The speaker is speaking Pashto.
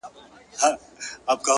پرمختګ د عذرونو پای ته اړتیا لري.!